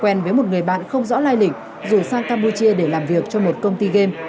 quen với một người bạn không rõ lai lĩnh rủ sang campuchia để làm việc cho một công ty game